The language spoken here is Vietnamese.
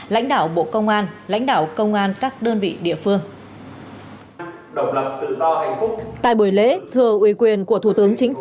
lãnh đạo bộ công an lãnh đạo công an các đơn vị địa phương